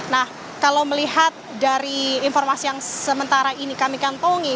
nah kalau melihat dari informasi yang sementara ini kami kantongi